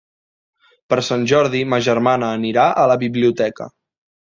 Per Sant Jordi ma germana anirà a la biblioteca.